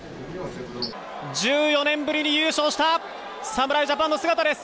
１４年ぶりに優勝した侍ジャパンの姿です！